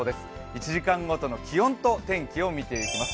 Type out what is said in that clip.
１時間ごとの気温と天気を見ていきます。